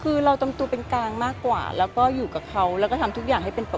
คือเราทำตัวเป็นกลางมากกว่าแล้วก็อยู่กับเขาแล้วก็ทำทุกอย่างให้เป็นปกติ